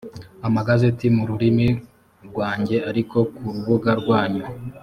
amagazeti mu rurimi rwanjye ariko ku rubuga rwanyu